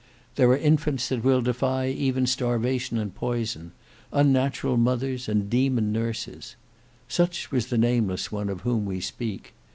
There are infants that will defy even starvation and poison, unnatural mothers and demon nurses. Such was the nameless one of whom we speak.